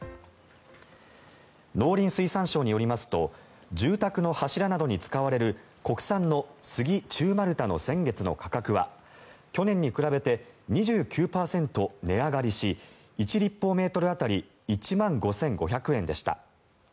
農林水産省によりますと住宅の柱などに使われる国産のスギ中丸太の先月の価格は去年に比べて２９％値上がりし１立方メートル当たり１万５５００円でした。